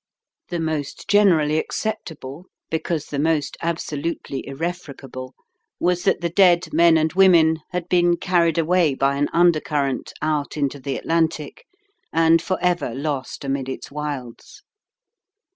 The most generally acceptable, because the most absolutely irrefragable, was that the dead men and women had been carried away by an under current out into the Atlantic, and for ever lost amid its wilds.